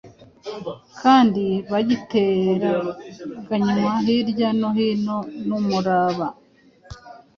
kandi bagiteraganwa hirya no hino n’umuraba,